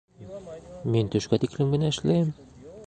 Мин төшкә тиклем генә эшләйем